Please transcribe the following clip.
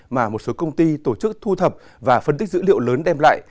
mà một số công ty tổ chức thu thập và phân tích dữ liệu lớn đem lại